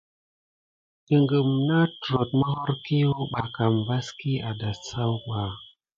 Naku nat trote mohhorkiwa ɓa kam vas kiyu a dasayu ɓa.